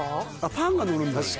パンがのるんだね